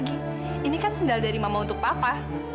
ini kan sendal dari mama untuk papa